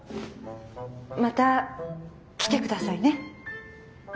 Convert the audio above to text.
また来て下さいね。